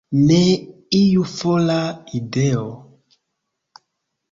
Ne iu fora ideo.